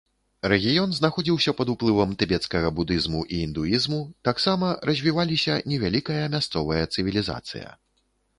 Рэгіён знаходзіўся пад уплывам тыбецкага будызму і індуізму, таксама развіваліся невялікая мясцовая цывілізацыя.